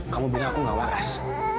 kamu bilang aku gak waras